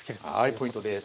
はいポイントです。